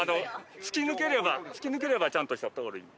突き抜ければ突き抜ければちゃんとした通り。